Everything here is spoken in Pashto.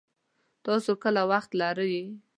تاسو کله وخت لري